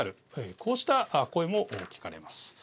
こうした声も聞かれます。